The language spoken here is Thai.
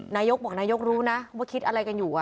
นายกบอกนายกรู้นะว่าคิดอะไรกันอยู่